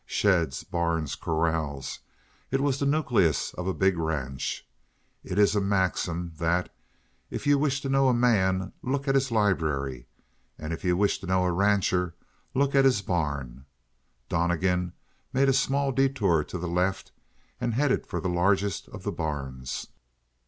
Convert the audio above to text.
Sheds, barns, corrals it was the nucleus of a big ranch. It is a maxim that, if you wish to know a man look at his library and if you wish to know a rancher, look at his barn. Donnegan made a small detour to the left and headed for the largest of the barns.